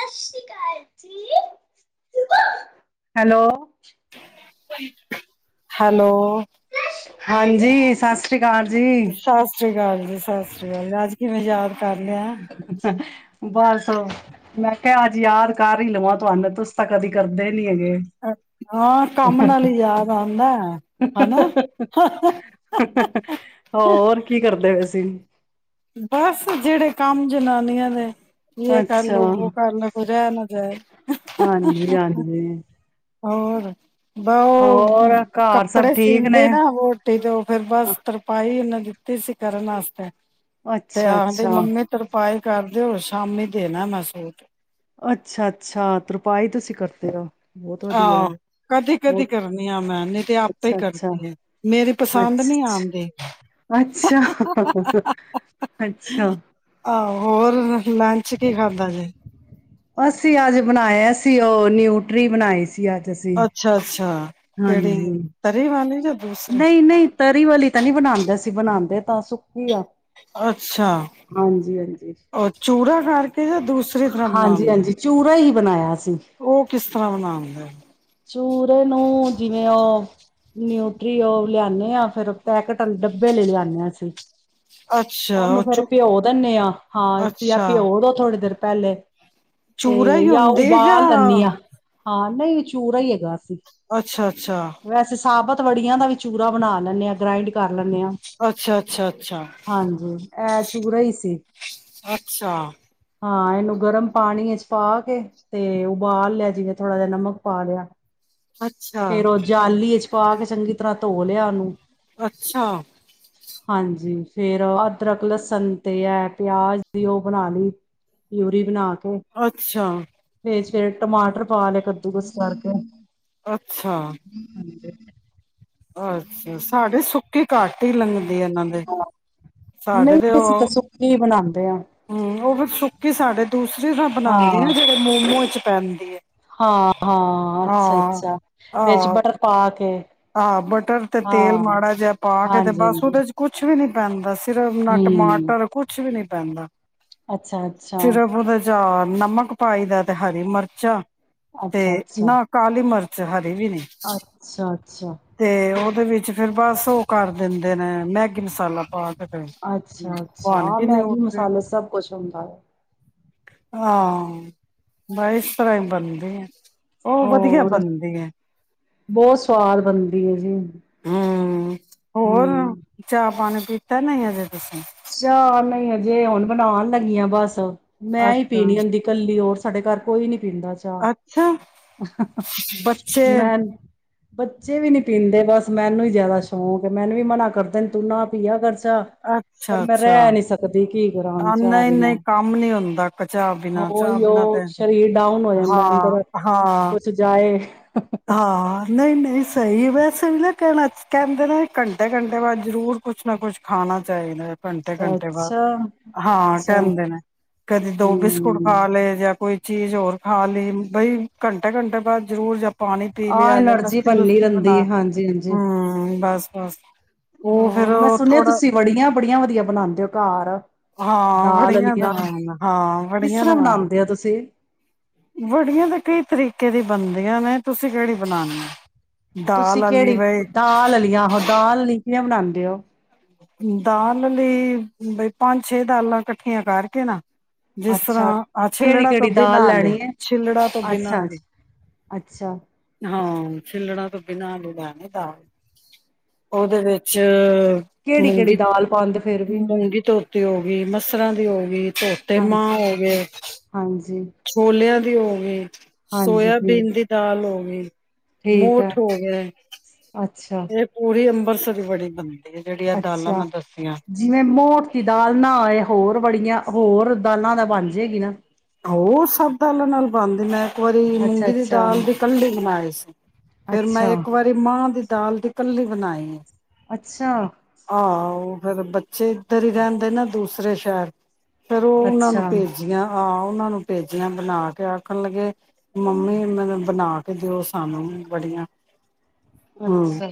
ਸਤ ਸ਼੍ਰੀ ਅਕਾਲ ਜ hello. Hello. ਹਾਂਜੀ ਸਸ। ਸਤਿ ਸ੍ਰੀ ਅਕਾਲ ਜੀ ਸਤਿ ਸ੍ਰੀ ਅਕਾਲ ਜੀ ਅੱਜ ਕਿਵੇਂ ਯਾਦ। ਕਰ ਲਿਆ? ਚ ਬਸ ਮੈਂ ਕਿਹਾ ਅੱਜ ਯਾਦ ਕਰ ਹੀ ਲਵਾਂ ਤੁਹਾਨੂੰ ਤ ਤਾਂ ਕਦੀ ਕਰਦੇ ਨ ਹੈਗੇ ਹਾਂ, ਕੰਮ ਨਾਲ ਹੀ ਯਾਦ ਆਉਂਦਾ ਹਨਾ। ਹੋਰ ਕੀ ਕਰਦੇ ਵੈਸੀਂ ਹ। ਬਸ ਜਿਹੜੇ ਕੰਮ ਜਨਾਨੀਆਂ ਦੇ ਇਹ ਅੱਛਾ ਕਰਲੋ ਉਹ ਕਰ ਲ ਕੋ ਰਹਿ ਨਾ ਜਾਏ। ਹਾਂਜੀ ਹਾਂਜੀ ਹੋਰ ਬ ਉਹ ਹੋਰ ਘਰ ਸਭ ਕੱਪੜੇ ਠੀਕ ਨੇ ਸੀਦੇ ਨਾ ਵੋਟੀ ਚ ਫੇਰ ਬਸ ਤਰਪਾਈ ਉਹ ਕੀਤੀ ਸੀ ਕਰਨ ਵਾਸਤੇ ਤੇ ਅੱਛਾ ਆਹਦੇ ਅੱਛਾ ਮੰਮੀ ਤਰਪਾਏ ਕਰਦੇਓ ਸ਼ਾਮੀ ਦੇਣਾ ਮਹਿਸੂਸ ਅੱਛਾ ਅੱਛਾ ਤਰਪਾਾਈ ਤੁਸੀਂ ਕਰਦੇ ਹੋ ਬਹੁਤ ਵਧੀਆ ਆਹੋ ਕਦੇ ਕਦੀ ਬਹੁਤ ਕਰਨੀ ਆ ਮੈਂ ਨਹੀਂ ਤੇ ਆਪੇ ਅੱਛਾ ਅੱਛਾ ਕਰਦੀ ਆ ਮੇਰੀ ਪਸੰਦ ਨੀ ਅੱਛਾ ਆਉਂਦੀ ਅੱਛਾ ਅੱਛਾ ਅੱਛਾ। ਆਹੋ ਹੋਔਰ ਲੰਚ ਕੀ ਖਾਧ ਜੇ ਅਸੀਂ ਅੱਜ ਬਣਾਇਆ ਸੀ ਉਹ ਨਿਊਟਰੀ ਬਣਾਈ ਸੀ ਅੱਜ ਅਸੀਂ ਅੱਛਾ ਅੱਛਾ [inaudible] [unintelligible] ਨਹੀਂ -ਨਹੀਂ ਤਰੀ ਵਾਲੀ ਤਾਂ ਨਹੀਂ ਬਣਾਦੇ ਅਸੀ, ਅਸੀ ਬਣਾਦੇ ਤਾਂ ਸੁੱਕੀ ਆ। ਅੱਛਾ ਹਾਂਜੀ-ਹਾਂਜੀ, ਅ, ਚੂਰਾ ਕਰ ਕੇ ਜਾਂ ਦੂਸਰਾ ਹਾਂਜੀ -ਹਾਂਜੀ ਚੂੂਰਾ ਸਹੀ ਬਣਾਇਆ ਸ - ਉਹ ਕਿਸ ਤਰ੍ਹਾਂ ਬਣਾਦੇ ਔ ਚੂਰੇ ਨੂੰ ਜਿਵੇਂ ਔ, ਨਿਊਟਰੀ ਔ ਲਿਆਨੇ ਆ, ਫਿਰ ਪੈਕੇਟ ਆਲੇ ਡੱਬੇ ਆਲੀ ਲਿਆਨੇ ਆ ਅਸੀਂ ਅੱਛਾ ਉਹਨੂੰ ਉਹ ਫੇਰ ਚੂ ਭਿਓ ਦਿੰਨੇ ਆਂ, ਹਾਂ ਵੀ ਜਾਂ ਅੱਛਾ ਭਿਓ ਦੋ ਥੋੜੀ ਦੇਰ ਪਹਿਲੇ ਚੂਰਾ ਤੇ ਹੀ ਜਾਂ ਹੁੰਦੀ ਜਾਂ ਉਬਾਲ ਲੈਂਦੀ ਆ, ਹਾਂ। ਦਹੀਂ 'ਚ ਚੂੂਰਾ ਹੀ ਹੈਗਾ। ਅੱਛਾ -ਅੱਛਾ ਵੈਸੇ ਸਾਬਤ ਵੜੀਆਂ ਦਾ ਵੀ ਚੂਰਾ ਬਣਾ ਲੈਂਨੇ ਆ, ਗ੍ਰਾਇੰਡ ਕਰ ਲੈਂਨੇ ਆ। ਅੱਛਾ- ਅੱਛਾ -ਅੱਛਾ -ਅੱਛਾ ਅਹ ਚੂਰਾ ਹੀ ਸੀ। ਅੱਛਾ ਹਾਂ ਇਹਨੂੰ ਗਰਮ ਪਾਣੀ ਵਿੱਚ ਪਾ ਕੇ ਤੇ ਉਬਾਲ ਲੈਨੀ ਆ ਥੋੜ੍ਹਾ ਜਿਹਾ ਨਮਕ ਪਾ ਲਿਆ। ਅੱਛਾ ਫੇਰ ਉਹ ਜਾਲੀ ਚ ਪਾ ਕੇ ਚੰਗੀ ਤਰ੍ਹਾਂ ਧੋ ਲਿਆ ਉਹਨੂੰ ਅੱਛਾ ਹਾਂਜੀ ਫੇਰ ਅਦਰਕ, ਲਸਣ ਤੇ ਹੈ ਪਿਆਜ ਦੀ ਉਹ ਬਣਾ ਲਈ, ਪਊਰੀ ਬਣਾ ਕੇ ਅੱਛਾ ਫਿਰ ਟਮਾਟਰ ਪਾ ਲਏ, ਕ ਤੇ ਕੁਛ ਕਰਦੇ ਆਂ। ਅੱਛਾ ਅੱਛਾ, ਸਾਡੇ ਸੁੱਕੀ ਘੱਟ ਹੀ ਲੰਘਦੀ - ਨਹੀਂ ਅਸੀਂ ਤਾਂ ਸੁੱਕੀ ਬਣਾਦੇ ਹੂੰ ਉਹ ਵੀ ਸੁ ਕਿ ਸਾਡੇ ਦੂਸਰੇ ਤਾਂ ਬਣਾਉਂਦੀ ਐ, ਹਾਂ ਜਿਹੜੇ ਮੋਮੋ ਚ' ਪੈਂਦੀ ਐ ਹਾਂ -ਹਾਂ ਅੱਛਾ -ਅੱਛਾ ਵਿੱਚ ਆਹ ਬਟਰ ਪਾ ਕੇ ਆਹ ਬਟਰ ਤੇ ਹਾਂ ਤੇਲ ਮਾੜਾ ਜਿਹਾ ਪਾ ਕੇ ਤੇ ਹਾਂਜੀ ਬਸ ਹਾਂਜੀ ਉਹਦੇ ਚ' ਕੁਛ ਵੀ ਨੀ ਪੈਂਦਾ ਸੀ ਮਟਰ ਨਾ ਹਮ ਟਮਾਟਰ ਕੁਛ ਵੀ ਨੀ ਪੈਂਦਾ- ਅੱਛਾ ਅੱਛਾ ਸਿਰਫ ਉਹਦੇ ਵਿੱਚ ਪਿਆਜ ਨਮਕ ਪਾਈ ਦਾ ਤੇ ਹਰੀ ਮਿਰਚਾਂ ਤੇ ਅੱਛਾ ਅੱਛਾ ਨਾਲ ਕਾਲੀ ਮਰਚ ਚਾਟ ਅੱਛਾ ਅੱਛਾ ਤੇ ਉਹਦੇ ਵਿੱਚ ਫੇਿਰ ਬਸ ਉਹ ਕਰ ਦਿੰਦੇ ਨੇ ਮੈਗੀ ਮਸਾਲਾ ਪਾ ਕੇ ਤੇ ਅੱਛਾ ਬਣ ਅੱਛਾ ਗਈ ਮੈਗੀ ਨਿਊਟਰੀ ਮਸਾਲੇ ਸਭ ਕੁਛ ਹੁੰਦਾ ਹੈ ਹਾਂ ਬ ਇਸ ਤਰ੍ਹਾਂ ਹੀ ਬਣਦੇ ਆ ਹੋਰ ਬਹੁਤ ਸਵਾਦ ਬਣਦੀ ਹੈ ਜੀ ਹਮ ਹੋਰ ਹਮ ਚਾਹ ਪਾਣੀ ਚਾ ਤਾਂ ਨਹੀਂ ਹਜੇ ਚਅ ਨਹੀਂ ਹੈ ਜੇ ਹੁਣ ਬਣਾਉਣ ਲੱਗੀਆਂ ਬਸ ਮੈਂ ਹੀ ਅੱਛਾ ਪੀਣੀ ਹੁੰਦੀ ਕੱਲੀ ਹੋਰ ਸਾਡੇ ਘਰ ਕੋਈ ਨੀ ਪੀਂਦਾ ਚਾਹ ਅੱਛਾ ਬੱਚੇ ਮੈਂ ਬੱਚੇ ਵੀ ਨੀ ਪੀਂਦੇ ਬਸ ਮੈਨੂੰ ਹੀ ਜਿਆਦਾ ਸ਼ੌਕ ਹੈ ਮੈਨੂੰ ਵੀ ਮਨਾ ਕਰਦੇ ਨੇ ਤੂੰ ਨਾ ਪੀਆ ਕਰ ਅੱਛਾ ਪਰ ਅੱਛਾ ਮੈਂ ਅੱਛਾ ਰਹਿ ਨਹੀਂੀ ਸਕਦੀ ਕੀ ਕਰਾਂ ਹੁਣ ਚਾਹ ਨਹੀਂ ਬਿਨਾਂ ਨਹੀਂ ਕੰਮ ਨੀ ਹੁੰਦਾ ਚਾਹ ਬਿਨਾਂ ਚਾਹ ਉਹੀ ਬਿਨਾਂ ਉਹ ਸਰੀਰ ਡਾਊਨ ਹੋ ਜਾਂਦਾ ਹਾਂ ਅੰਦਰ ਹਾਂ ਕੁਛ ਜਾਏ ਹਾਂ, ਨਹੀਂ, ਨਹੀਂ ਸਹੀ ਵੈਸੇ ਵੀ ਨਾ ਕ ਕਹਿੰਦੇ ਨੇ ਘੰਟੇ- ਘੰਟੇ ਬਾਅਦ ਜ਼ਰੂਰ ਕੁਛ ਨਾ ਕੁਛ ਖਾਣਾ ਚਾਹੀਦਾ। ਘੰਟੇ ਘੰਟੇ ਬਾਅਦ ਅੱਛਾ, ਹਾਂ ਅੱਛਾ ਕਹਿੰਦੇ ਨੇ ਕਦੀ ਦੋ ਬਿਸਕੁਟ ਖਾ ਹੂੰ ਲਏ ਜਾਂ ਕੋਈ ਚੀਜ਼ ਹੋਰ ਖਾ ਲਈ ਬਈ ਘੰਟੇ ਘੰਟੇ ਬਾਅਦ ਜਰੂਰ ਜਾ ਪਾਣੀ ਪੀ ਆਹ ਲਿਆ ਜਾ ਐਨਰਜੀ ਲੱਸੀ ਬੰਨੀ ਲੁੱਸੀ ਰਹਿੰਦੀ ਬਣਾ ਹੈ ਹਾਂਜੀ ਹਾਂਜੀ ਹੂੰ ਬਸ ਬਸ, ਉਹ ਫੇਰ ਹੋਰ ਮੈਂ ਉਹ ਸੁਣਿਆ ਥੋੜਾ ਤੁਸੀਂ ਵੜੀਆਂ ਬੜੀਆਂ ਵਧੀਆ ਬਣਾਉਂਦੇ ਹੋ ਘਰ ਹਾਂ ਦਾਲ ਬੜੀਆਂ ਅਲੀਆਂ ਦਵਾ ਹਾਂ ਕਿਸ ਬੜੀਆਂ ਤਰ੍ਹਾਂ ਦਵਾ ਬਣਾਉਂਦੇ ਹੋ ਤੁਸੀਂ [unintelligible] ਵੜੀਆਂ ਤਾਂ ਕਈ ਤਰੀਕੇ ਦੀ ਬਣਦੀਆਂ ਨੇ ਤੁਸੀਂ ਕਿਹੜੀ ਬਨਾਉਣੇ ਹੋ। ਤੁਸੀਂ ਕਿਹੜੀ ਦਾਲ ਅਲੀਆ ਉਹ ਦਾਲ ਅਲੀ ਕੀਆ ਬਣਾਦੇ ਓ ਦਾਲ ਆਲੀ ਬਈ ਪੰਜ ਛੇ ਦਾਲਾਂ ਇਕੱਠੀਆਂ ਕਰਕੇ ਨਾ ਜਿਸ ਅੱਛਾ ਤਰ੍ਹਾਂ ਆਹ ਕਿਹੜੀ ਛਿੱਲੜਾ ਤੋਂ ਕਿਹੜੀ ਦਾਲ ਬਿਨਾਂ ਦੇ ਲੈਣੀ ਹੈ ਛਿੱਲੜਾ ਤੋਂ ਬਿਨਾਂ ਅੱਛਾ ਦੇ, ਅੱਛਾ ਅੱਛਾ ਹਾਂ। ਛਿੱਲੜਾਂ ਤੋਂ ਬਿਨਾਂ ਲੈਣੀ ਆ ਦਾਲ ਉਹਦੇ ਵਿੱਚ ਕਿਹੜੀ ਕਿਹੜੀ ਮੂੰਗੀ ਦਾਲ ਪਾਉਂਦੇ ਫੇਰ ਵੀ? ਮੂੰਗੀ ਧੋਤੀ ਹੋ ਗਈ, ਮੱਸਰਾਂ ਦੀ ਹੋ ਗਈ। ਫਿਰ ਤੇ ਨਾ। ਹਾਂਜੀ [unintelligible] ਹਾਂਜੀ ਛੋਲਿਆਂ ਦੀ ਹੋ ਗੀ ਹਾਂਜੀ ਸੋਇਆਬੀਨ ਠੀਕ ਦੀ ਦਾਲ ਹੋ ਗੀ, ਠੀਕ ਹੈ ਮੋਠ ਹੋ ਗਏ। ਅੱਛਾ ਇਹ ਪੂਰੀ ਅੰ ਮਸਰ ਦੀ ਬੜੀ ਬੰਦੀ ਅੱਛਾ, ਜਿਵੇਂ ਮੋਠ ਦੀ ਦਾਲ ਨਾ ਹੋਏ ਹੋਰ ਬੜੀਆਂ ਹੋਰ ਦਾਲਾਂ ਦਾ ਬਣ ਜਾਏਗੀ ਨਾ? ਹੋ ਸਭ ਦਾਲਾਂ ਨਾਲ ਬਣਦੀ ਏ, ਇੱਕ ਵਾਰੀ ਅੱਛਾ ਮੂੰਗੀ ਦੀ ਅੱਛਾ ਦਾਲ ਦੀ ਕੱਲੀ ਬਣਾਈ ਸੀ, ਫੇਰ ਮੈਂ ਅੱਛਾ ਇੱਕ ਵਾਰੀ ਮਾਂ ਦੀ ਦਾਲ ਦੀ ਕੱਲੀ ਬਨਾਇ ਏ। ਅੱਛਾ। ਆਓ। ਜਦੋ ਬੱਚੇ ਇੱਧਰ ਹੀ ਰਹਿੰਦੇ ਨਾ ਦੂਸਰੇ ਸ਼ਹਿਰ। ਫੇਰ ਔ ਔਨਾਂ ਅੱਛਾ ਨੂੰ ਭੇਜੀਆਂ ਆ ਔਨਾਂ ਨੂੰ ਭੇਜਿਆ ਬਣਾ ਕੇ ਆਖਣ ਲੱਗੇ ਮੰਮੀ ਮੈਨੂੰ ਬਣਾ ਕੇ ਦਿਓ ਸਾਨੂੰ ਬੜੀਆਂ। ਹਾਂ, ਅੱਛਾ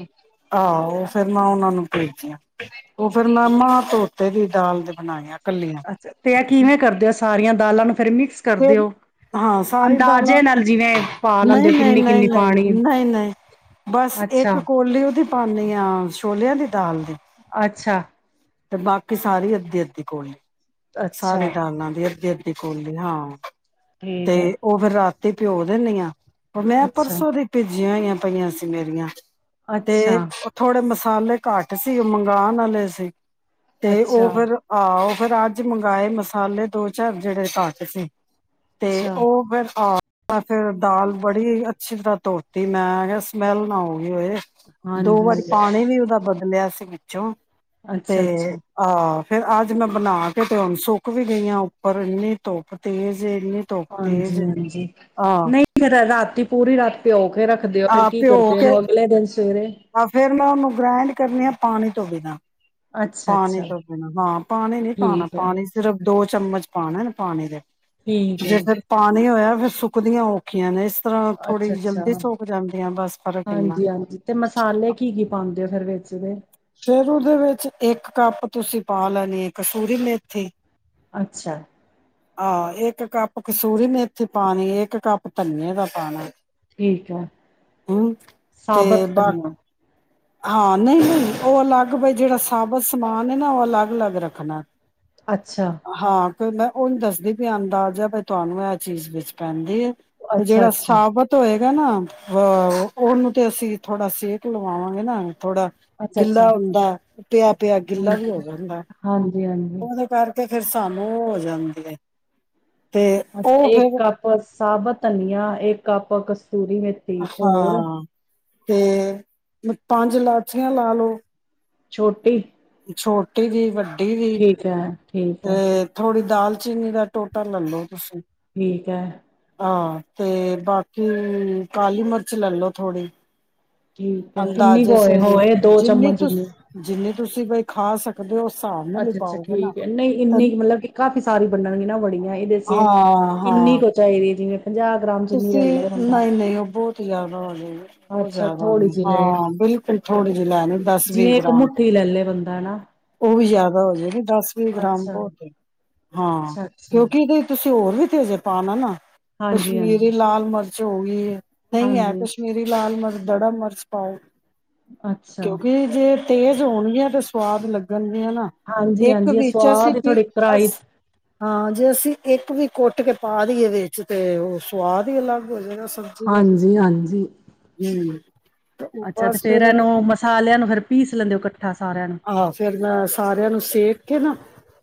ਆਓ। ਫਿਰ ਮੈਂ ਔਨਾਂ ਨੂੰ ਭੇਜੀਆਂ। ਔ ਫਿਰ ਮੈਂ ਮਾਂ ਤੋਤੇ ਦੀ ਦਾਲ ਦੇ ਬਣਾਈਆ ਕਲੀਆ ਅੱਛਾ ਤੇ ਇਹ ਕਿਵੇਂ ਕਰਦੇ ਹੋ ਸਾਰੀਆਂ ਦਾਲਾਂ ਨੁੰ ਫਿਰ ਹਾਂ ਸਾਰੀ ਦਾਲਾਂ ਅੰਦਾਜ਼ੇ ਨਾਲ ਜਿਵੇਂ ਪਾ ਲੈਂਦੇ ਨਹੀਂ ਹੋ ਨਹੀਂ ਕਿੰਨੀ ਨਹੀਂ ਕਿੰਨੀ ਨਹੀਂ, ਪਾਣੀ ਨਹੀਂ ਨਹੀਂ, ਬਸ ਅੱਛਾ ਇੱਕ ਕੋਲੀ ਔਦੀ ਭਾਨਿਆ ਛੋਲਿਆਂ ਦੀ ਦਾਲ ਦੀ? ਅੱਛਾ ਤੇ ਬਾਕੀ ਸਾਰੀ ਅੱਧੀ ਅੱਧੀ ਕੋਲੀ। ਸਾਰੇ ਅੱਛਾ ਦਾਲਾਂ ਦੇ ਅੱਧੇ ਅੱਧੀ ਦੀ ਕੋਲੀ ਹਾਂ। ਤੇ ਠੀਕ ਹੈ ਔ ਫਿਰ ਰਾਤ ਤੇ ਭਿਓ ਦਿੰਨੀ ਆਂ। ਮੈਂ ਅੱਛਾ ਪਰਸੋਂ ਦੀ ਭੇਜੀ ਜਿ ਹੋਈਆਂ ਪਈਆਂ ਸੀ ਮੇਰੀਆਂ ਤੇ ਅੱਛਾ ਉਥੋਂੜੇ ਮਸਾਲੇ ਮਸਾਲੇ ਘੱਟ ਸੀ ਉਹ ਮੰਗਉਣ ਵਾਲੇ ਸੀ। ਤੇ ਉਹ ਅੱਛਾ ਫੇਰ ਆਹ ਫਿਰ ਅੱਜ ਮੰਗਵਾਏ ਮਸਾਲੇ ਦੋ ਚਾਰ ਜਿਹੜੇ ਘਟ ਸੀ। ਤੇ ਅੱਛਾ ਉਹ ਫੇਰ ਆ ਮੈਂ ਫਿਰ ਦਾਲ ਬੜੀ ਅੱਛੀ ਤਰ੍ਹਾਂ ਧੋਤੀ ਮੈਂ ਕਿਹਾ ਸਮੈਲ ਨਾ ਹੋਵੇ। ਹੋਏ ਦੋ ਵਾਰੀ ਹਾਂਜੀ ਪਾਣੀ ਵੀ ਉਹਦਾ ਬਦਲਿਆ ਸੀ। ਵਿੱਚੋਂ ਅੱਛਾ ਤੇ ਅੱਛਾ ਅਹ- ਫੇਿਰ ਅੱਜ ਮੈਂ ਬਣਾ ਕੇ ਤੇ ਹੁਣ ਸੁੱਕ ਵੀ ਗਈ ਹਾਂ ਉੱਪਰ ਇੰਨੀ ਧੁੱਪ ਤੇਜ਼ ਏ ਇੰਨੀ ਧੁੱਪ ਤੇਜ਼ ਹਾਂਜੀ ਏ -ਹਾਂਜੀ ਆਹ ਨਹੀਂ ਰਾਤੀ ਪੂਰੀ ਰਾਤ ਪਿਓ ਕੇ ਰੱਖ ਰੱਖਦੇ ਆ ਫਿਰ ਕੀ ਕਰਦੇ ਇਹਨੂੰ ਅਗਲੇ ਦਿਨ ਸਵੇਰੇ ਤਾਂ ਫੇਰ ਮੈਂ ਉਹਨੂੰ ਗ੍ਰੈਂਡ ਕਰਨੀ ਆ ਪਾਣੀ ਤੋਂ ਬਿਨਾ ਪਾਣੀ ਅੱਛਾ-ਅੱਛਾ ਤੋਂ ਪੀਣਾ ਹਾਂ ਪਾਣੀ ਨੀ ਪਾਉਣਾ ਠੀਕ ਹੈ ਪਾਣੀ ਸਿਰਫ ਦੋ ਚਮਚ ਪਾਉਣਾ ਨਾ ਪਾਣੀ ਦੇ- ਠੀਕ ਜੇ ਹੈ ਫੇਰ ਪਾਣੀ ਹੋਇਆ ਸੁੱਕਦੀਆਂ ਔਖੀਆਂ ਨੇ। ਇਸ ਤਰ੍ਹਾਂ ਥੋੜ੍ਹੀ ਅੱਛਾ-ਅੱਛਾ ਜਲਦੀ ਸੌਕ ਜਾਂਦੀ ਆ ਬਸ ਫ਼ਰਕ ਇੰਨਾ। ਹਾਂਜੀ-ਹਾਂਜੀ ਤੇ ਮਸਾਲੇ ਕੀ ਕੀ ਪਾਉਂਦੇ ਆ ਫਿਰ ਵਿੱਚ ਈਦੇ ਫਿਰ ਉਹਦੇ ਵਿੱਚ ਇੱਕ ਕੱਪ ਤੁਸੀਂ ਪਾ ਲੈਣੀ ਕਸੂਰੀ ਮੇਥੀ ਅੱਛਾ। ਆਹੋ ਇੱਕ ਕੱਪ ਕਸੂਰੀ ਮੇਥੀ ਪਾਉਣੀ ਇੱਕ ਕੱਪ ਧਨੀਏ ਦਾ ਪਾਉਣਾ ਠੀਕ ਹੈ। ਤੇ ਸਾਬਤ ਬਾ ਕਰਨਾ ਹਾਂ ਨਹੀਂ ਨਹੀਂ ਉਹ ਅਲੱਗ ਬ ਜਿਹੜਾ ਸਾਬਤ ਸਮਾਨ ਹੈ। ਨਾ ਉਹ ਅਲੱਗ ਅਲੱਗ ਰੱਖਣਾ ਅੱਛਾ। ਹਾਂ ਮੈਂ ਉਜ ਦੱਸਦੀ ਪਈ ਆ ਅੰਦਾਜ਼ਾ ਬਈ ਤੁਹਾਨੂੰ ਇਹ ਚੀਜ਼ ਵਿੱਚ ਪੈਂਦੀ ਆ ਜਿਹੜਾ ਅੱਛਾ-ਅੱਛਾ ਸਾਬਤ ਹੋਏਗਾ ਹੈਨਾ ਉਹਨੂੰ ਤੇ ਅਸੀਂ ਥੋੜਾ ਸੇਕ ਲਵਾਵਾਂਗੇ ਹਾਂ ਨਾ- ਥੋੜਾ ਅੱਛਾ-ਅੱਛਾ ਗਿੱਲਾ ਹੁੰਦਾ ਪਿਆ ਪਿਆ ਗਿੱਲਾ ਵੀ ਹੋ ਜਾਂਦਾ ਹਾਂਜੀ -ਹਾਂਜੀ- ਫੇਿਰ ਸਾਨੂੰ ਉਹ ਹੋ ਜਾਂਦੀ ਆ ਅੱਛਾ ਇੱਕ ਕੱਪ ਸਾਬਤ ਧਨੀਆ ਇੱਕ ਕੱਪ ਕਸ ਸੂਰੀ ਮੇਥੀ ਹੋਰ ਹਾਂ ਤੇ ਪੰਜ ਲਾਚੀਆਂ ਲਾ ਲਓ ਛੋਟੀ ਟੀ ਵੀ ਵੱਡੀ ਦੀ ਠੀਕ ਹੈ ਠੀਕ ਹੈ ਤੇ ਥੋੜੀ ਦਾਲਚੀਨੀ ਦਾ ਟੋਟਾ ਲੈਲੋ ਤੁਸੀਂ ਠੀਕ ਹੈ ਹਾਂ ਤੇ ਬਾਕੀ ਕਾਲੀ ਮਿਰਚ ਲੈਲੋ ਥੋੜ੍ਹੀ ਠੀਕ ਹੈ ਕਿੰਨੀ ਅੰਦਾਜ਼ੇ ਕੋਏ ਸਿਰ ਹੋਵੇ ਦੋ ਜਿੰਨੀ ਚਮਚ ਜਿੰਨੇ ਤੁਸੀਂ ਜਿੰਨੀ ਤੁਸੀਂ ਬਈ ਖਾ ਸਕਦੇ ਹੋ ਹਿਸਾਬ ਨਾਲ ਹੀ ਅੱਛਾ ਅੱਛਾ ਪਾਓਗੇ ਨਾ ਠੀਕ ਹੈ ਨਹੀਂ ਇੰਨੀ ਮਤਲਬ ਕਿ ਕਾਫ਼ੀ ਸਾਰੀ ਬੰਡਣਗੇ ਨਾ ਬੜੀਆਂ ਇਹਦੇ ਚ ਹਾਂ ਕਿੰਨੀ ਹਾਂ ਕੁ ਚਾਹੀਦੀ ਜਿਵੇਂ ਪੰਜਾਹ ਗ੍ਰਾਮ ਜਿੰਨੀ ਤੁਸੀਂ ਲੈ ਲਏ ਬੰਦਾ ਨਹੀਂ ਨਹੀਂ ਉਹ ਬਹੁਤ ਆ ਜ਼ਾਦਾ ਹੋ ਜਾਏਗੀ ਬ ਅੱਛਾ ਜ਼ਿਆਦਾ ਥੋੜ੍ਹੀ ਜਿਹੀ ਲਏ ਹਾਂ ਬਿਲਕੁਲ ਥੋੜੀ ਜਿਹੀ ਲੈਣੀ ਦਸ ਵੀਹ ਜਿਵੇਂ ਇੱਕ ਗ੍ਰਾਮ ਮੁੱਠੀ ਲੈ ਲਏ ਬੰਦਾ ਹਨਾ ਉਹ ਵੀ ਜਿਆਦਾ ਹੋ ਜਾ ਨੀ ਦਸ ਵੀਹ ਗ੍ਰਾਮ ਅੱਛਾ ਬਹੁਤ ਹਾਂ ਅੱਛਾ ਅੱਛਾ ਕਿਉਂਕਿ ਇਹਦੇ ਹੋਰ ਵੀ ਤੇ ਅਜੇ ਪਾਣਾ ਨਾ ਹਾਂਜੀ ਹਾਂਜੀ ਖੀਰੀ ਲਾਲ ਮਰਚ ਓਹ ਵੀ ਹੈ ਨਹੀਂ ਹੈ ਹਾਂਜੀ ਕਸ਼ਮੀਰੀ ਲਾਲ ਮਰਚ ਥੋੜਾ ਮਰਚ ਪਾਓ ਅੱਛਾ ਕਿਉਂਕਿ ਜੇ ਤੇਜ਼ ਹੋਣਗੀਆਂ ਤੇ ਸੁਵਾਦ ਲੱਗਣ ਹਨਾ ਹਾਂਜੀ ਇੱਕ ਹਾਂਜੀ ਇਹ ਵੀਚ ਅ ਸੀ ਸਵਾਦ ਹੀ ਕਿ ਥੋੜੀ ਕਰਾਈ ਅਸੀ ਹਾਂ ਜੇ ਅਸੀਂ ਇੱਕ ਵੀ ਕੁੱਟ ਕੇ ਪਾ ਦੀਈਏ ਵਿੱਚ ਤੇ ਉਹ ਸਵਾਦ ਹੀ ਅਲੱਗ ਹੋ ਜਾਏਗਾ ਸਬਜ਼ੀ ਦਾ ਤੇ ਹਾਂਜੀ ਹਾਂਜੀ ਹੂੰ- ਤੇ ਉਹ ਅੱਛਾ ਤੇ ਬਸ ਫੇਰ ਇਹ ਨੂੰ ਮਸਾਲਿਆਂ ਨੂੰ ਫਿਰ ਪੀਸ ਲੈਂਦੇ ਐ ਕ ਆਹੋ ਫੇਰ ਮੈਂ ਸਾਰਿਆਂ ਨੂੰ ਸੇਕ ਕੇ ਨਾ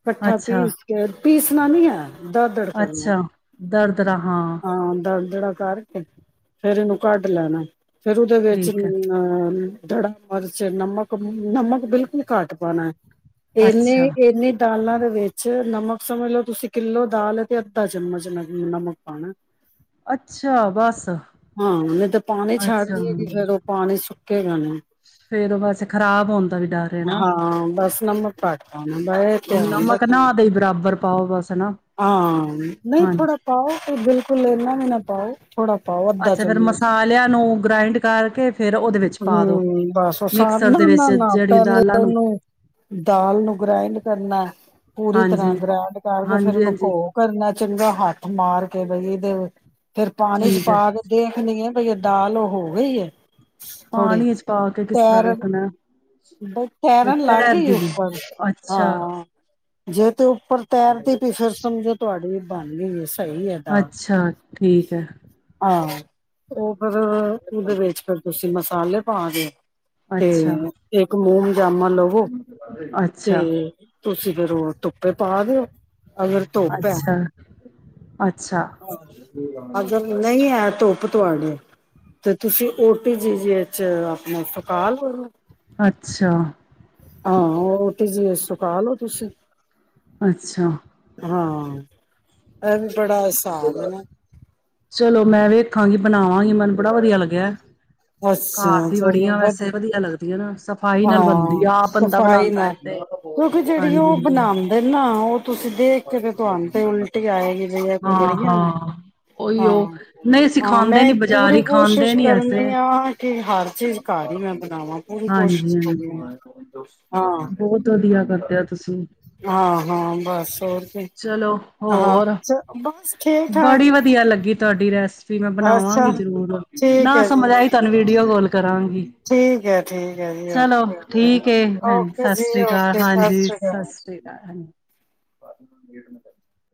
ਕੱਠਾ ਅੱਛਾ ਪੀਸ ਕੇ ਪੀਸਣਾ ਨੀ ਏ, ਦਰ ਦੜ ਕਰਨਾ। ਦਰ ਤਰ੍ਹਾਂ ਹਾਂ ੜ ਕਰਕੇ ਫੇਰ ਇਹਨੂੰ ਕੱਢ ਲੈਣਾ। ਫਿਰ ਉਹਦੇ ਵਿੱਚ ਠੀਕ ਹੈ, ਨ ਦੜਾ ਮਿਰਚ ਨਮਕ, ਨਮਕ ਬਿਲਕੁਲ ਘੱਟ ਪਾਣਾ। ਅੱਛਾ। ਇਹਨੇ-ਇਹਨੇ। ਦਾਲਾਂ ਦੇ ਵਿੱਚ ਨਮਕ ਸਮਝ ਲਓ, ਤੁਸੀਂ ਕਿਲੋ ਦਾਲ ਤੇ ਅੱਧਾ ਚਮਚ ਨ ਨਮਕ ਪਾਣਾ ਅੱਛਾ ਬਸ, ਹਾਂ ਨਹੀਂ ਤੇ ਪਾਣੀ ਛੱਡ ਅੱਛਾ ਦੇਏਗੀ ਹੂੰ, ਫੇਰ ਉਹ ਪਾਣੀ ਸੁੱਕੇਗਾ ਨੀ, ਫੇਰ ਉਹ ਬਸ ਖ਼ਰਾਬ ਹੋਣ ਦਾ ਵੀ ਡਰ ਹੈ ਨਾ। ਹਾਂ ਬਸ ਨਮਕ ਪਾ ਦੇਣਾ ਬ ਇਹ ਧਿਆਨ ਨਮਕ ਰੱਖਣਾ। ਨਾ ਦੇ ਬਰਾਬਰ ਪਾਓ ਬਸ ਨਾ, ਹਾਂ ਨਹੀਂ ਥੋੜਾ ਹਾਂਜੀ, ਪਾਓ ਤੇ ਬਿਲਕੁਲ ਇੰਨਾ ਵੀ ਨਾ ਪਾਉ ਥੋੜਾ ਪਾਓ ਅੱਧਾ ਅੱਛਾ ਫੇਰ ਚਮਚ ਮਸਾਲਿਆਂ ਨੂੰ ਗ੍ਰਾਇੰਡ ਕਰਕੇ ਫੇਰ ਉਹਦੇ ਵਿੱਚ ਪਾ ਦੋ, ਹਮ ਬਸ ਸਾਰੇ ਮਿਕਸਰ ਆ ਦੇ ਵਿੱਚ ਨਾ-ਨਾ ਜਿਹੜੀ ਪਹਿਲੇ ਦਾਲਾਂ ਨੂੰ, ਉਹਨੂੰ ਦਾਲ ਨੂੰ ਗ੍ਰੈਂਡ ਕਰਨਾ ਪੂਰੀ ਤਰ੍ਹਾਂ ਹਾਂਜੀ। ਗ੍ਰੈਂਡ ਕਰਕੇ ਫਿਰ ਨੂੰ ਕੋ ਹਾਂਜੀ-ਹਾਂਜੀ, ਕਰਨਾ ਚੰਗਾ ਹੱਥ ਮਾਰ ਕੇ ਬਈ ਇਹਦੇ ਫੇਰ ਪਾਣੀ ਚ ਠੀਕ ਹੈ, ਪਾ ਕੇ ਦੇਖਣੀ ਏ ਭਈ ਦਾਲ ਹੋ ਗਈ ਏ। ਪਾਣੀ ਚ ਪਾ ਕੇ ਕਿਸ ਤਰ੍ਹਾਂ ਵੇਖਣਾ। ਬਈ ਬ ਤੈਰਨ ਲੱਗ ਈ ਤੈਰਦੀ ਵੀ, ਉੱਪਰ ਅੱਛਾ। ਹਾਂ। ਜੇਹ ਤੇ ਉ ਪਰ ਤੈਰਦੀ ਪਈ ਸਮਝੋ ਤੁਹਾਡੀ ਬਣ ਗਈ ਸੀ। ਅੱਛਾ ਠੀਕ ਏ। ਆਹੋ ਉਹ ਪਰ ਉਹਦੇ ਵਿੱਚ ਫੇਰ ਤੁਸੀਂ ਮਸ ਆਲੇ ਪਾ ਦੇ ਅੱਛਾ। ਇੱਕ ਮੂੰਹ ਪਜਾਮਾ ਲਵੋ, ਤੇ ਅੱਛਾ। ਤੁਸੀਂ ਫੇਰ ਉਹ ਧੁੱਪੇ ਪਾ ਦਿਓ, ਅਗਰ ਧੁੱਪ ਹੈ, ਅੱਛਾ, ਅੱਛਾ, ਅਗਰ ਨਹੀਂ ਹੈ ਧੁੱਪ ਤੁਹਾਡੇ ਤੇ ਤੁਸੀਂ, ਓਟੀ ਜੀ ਜ ਆਪਣਾ ਸਕਾਲ, ਅੱਛਾ। ਹਾਂ ਓਟੀ ਜੀ ਸੁਖਾਲ ਹੋ ਤੁਸੀਂ, ਅੱਛਾ। ਹਾਂ, ਅ ਬੜਾ ਹਿਸਾਬ ਨਾ, ਚਲੋ ਮੈਂ ਵੇਖਾਂਗੀ ਬਣਾਵਾਂਗੀ ਮੈਨੂੰ ਬੜਾ ਵਧੀਆ ਲੱਗਿਆ। ਘਰ ਅੱਛਾ ਦੀ ਚਲੋ ਬੜੀਆਂ ਵੈਸੇ ਵਧੀਆ ਲੱਗਦਾ [unintelligible] ਹਾਂ, ਸਫ਼ਾਈ ਨਾਲ ਤੇ ਕਿਉਂਕਿ ਜਿਹੜੀ ਉਹ ਹਾਂਜੀ ਬਣਾਉਂਦੇ ਨਾ ਉਹ ਤੁਸੀਂ ਦੇਖ ਕੇ ਤੇ ਤੁਹਾਨੂੰ ਤੇ ਉਲਟੀ ਆਏਗੀ ਬਈ ਏ ਕੋਈ ਹਾਂ, ਵਰੀਆਂ ਨੇ, ਹਾਂ। ਹਾਂ, ਉਹੀਓ ਨਹੀਂ ਹਾਂ ਸਿਖਾਦੇ ਮੈਂ ਨੀ ਬਾਜ਼ਾਰ ਪੂਰੀ ਹੀ ਖਾਂਦੇ ਕੋਸ਼ਿਸ਼ ਨੀ ਐਸੇ ਕਰਨੀ ਆ ਕਿ ਹਰ ਚੀਜ਼ ਘਰ ਹੀ ਮੈਂ ਬਣਾਵਾਂ ਪੂਰੀ ਕੋਸ਼ਿਸ਼ ਹਾਂਜੀ, ਕਰਨੀ ਆ ਬਹੁਤ ਵਧੀਆ ਕਰਦੇ ਆ ਤੁਸੀਂ ਹਾਂ-ਹਾਂ ਚਲੋ ਹੋਰ, ਬਸ ਠੀਕ ਠਾਕ ਬੜੀ ਵਧੀਆ ਲੱਗੀ ਤੁਹਾਡੀ ਰੈਸਪੀ ਮੈਂ ਅੱਛਾ ਬਣਾਵਾਂਗੀ ਜ਼ਰੂਰ ਠੀਕ ਨਾ ਹੈ ਸਮਝ ਜੀ ਆਈ ਤੁਹਾਨੂੰ ਵੀਡੀਓ ਕਾਲ ਕਰਾਂਗੀ, ਠੀਕ ਹੈ ਠੀਕ ਹੈ ਜੀ ਚਲੋ ਓਕੇਓ ਠੀਕ ਏ ਭੈਣ ਓਕੇ ਸਤਿ ਜੀ ਸ੍ਰੀ ਅਕਾਲ ਓਕੇ ਸਤਿ ਹਾਂਜੀ ਸ਼੍ਰੀ ਅਕਾਲ। [unintelligible] [unintelligible]